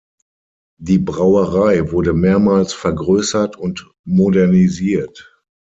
Die Brauerei wurde mehrmals vergrößert und modernisiert.